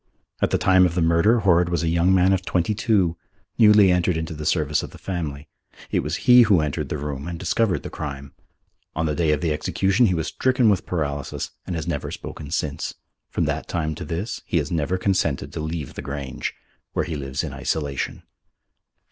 At the time of the murder Horrod was a young man of twenty two, newly entered into the service of the family. It was he who entered the room and discovered the crime. On the day of the execution he was stricken with paralysis and has never spoken since. From that time to this he has never consented to leave the Grange, where he lives in isolation.